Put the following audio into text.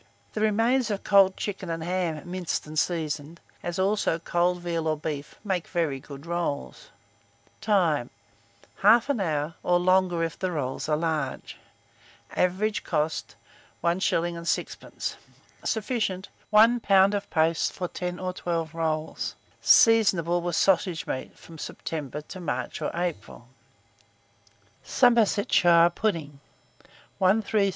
The remains of cold chicken and ham, minced and seasoned, as also cold veal or beef, make very good rolls. Time. 1/2 hour, or longer if the rolls are large. Average cost, 1s. 6d. Sufficient. 1 lb. of paste for 10 or 12 rolls. Seasonable, with sausage meat, from September to March or April. SOMERSETSHIRE PUDDINGS.